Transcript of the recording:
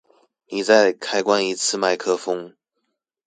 妳再開關一次麥克風